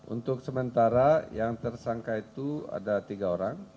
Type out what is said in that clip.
untuk sementara yang tersangka itu ada tiga orang